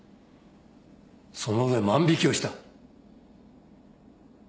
その上万引をした？